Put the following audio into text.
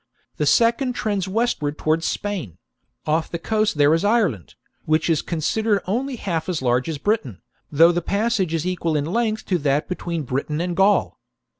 The second trends westward towards Spain : off the coast here is Ireland, which is considered only half as large as Britain, though the passage is equal in length to that between Britain and Gaul.